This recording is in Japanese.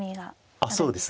あっそうですね。